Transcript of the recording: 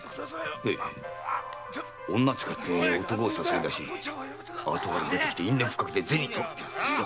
女を使って男を誘い出し後から出てきて因縁つけて銭とるってやつですよ。